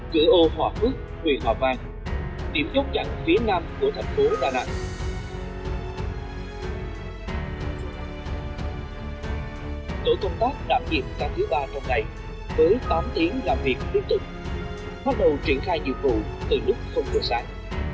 tổ công tác đảm nhiệm cả thứ ba trong ngày với tám tiếng làm việc lúc tự bắt đầu triển khai nhiệm vụ từ lúc không ngồi sẵn